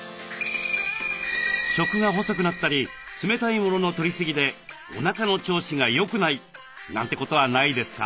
食が細くなったり冷たい物のとりすぎでおなかの調子がよくないなんてことはないですか？